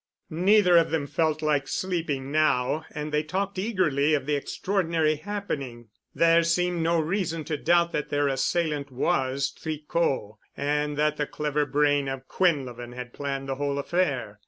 Neither of them felt like sleeping now and they talked eagerly of the extraordinary happening. There seemed no reason to doubt that their assailant was Tricot and that the clever brain of Quinlevin had planned the whole affair.